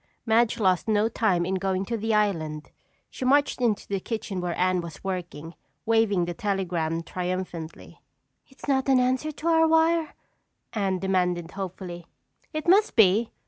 Madge lost no time in going to the island. She marched into the kitchen where Anne was working, waving the telegram triumphantly. "It's not an answer to our wire?" Anne demanded hopefully. "It must be.